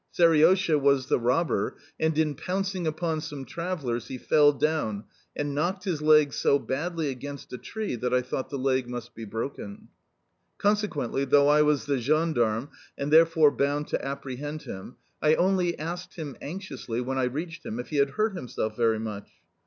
Seriosha was the robber, and in pouncing upon some travellers he fell down and knocked his leg so badly against a tree that I thought the leg must be broken. Consequently, though I was the gendarme and therefore bound to apprehend him, I only asked him anxiously, when I reached him, if he had hurt himself very much.